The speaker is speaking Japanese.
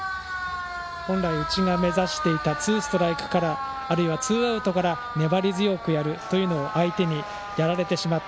本来、うちが目指していたツーストライクからあるいはツーアウトから粘り強くやるというのを相手にやられてしまった。